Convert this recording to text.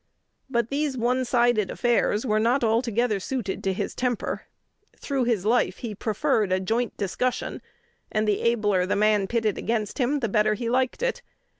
But these one sided affairs were not altogether suited to his temper: through his life he preferred a joint discussion, and the abler the man pitted against him, the better he liked it.